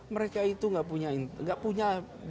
mereka itu gak punya banyak hal mas